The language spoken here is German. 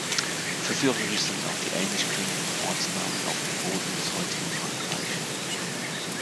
Verführerisch sind auch die ähnlich klingenden Ortsnamen auf dem Boden des heutigen Frankreich.